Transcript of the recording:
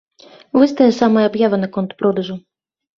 Вось тая самая аб'ява наконт продажу.